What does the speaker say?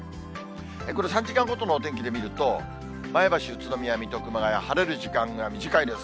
これ、３時間ごとのお天気で見ると、前橋、宇都宮、水戸、熊谷、晴れる時間が短いです。